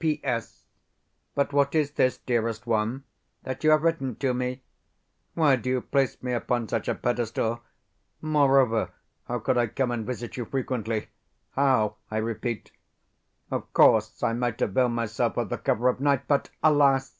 P.S. But what is this, dearest one, that you have written to me? Why do you place me upon such a pedestal? Moreover, how could I come and visit you frequently? How, I repeat? Of course, I might avail myself of the cover of night; but, alas!